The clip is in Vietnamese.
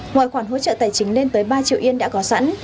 ngoài khoản hỗ trợ tài chính lên tới ba triệu yên đã có sẵn